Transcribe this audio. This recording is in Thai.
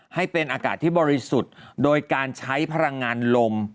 ให้เป็นอากาศที่บริสุทธิ์โดยการใช้พลังงานลม